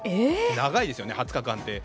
長いですよね、２０日間って。